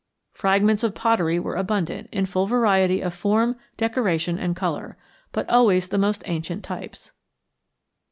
Fragments of pottery were abundant, in full variety of form, decoration, and color, but always the most ancient types.